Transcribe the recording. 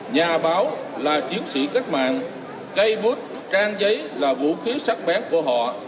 nhà báo là chiến sĩ cách mạng cây bút can giấy là vũ khí sắc bén của họ